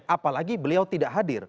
apalagi beliau tidak hadir